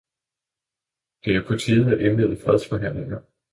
Det er på tide at indlede fredsforhandlinger.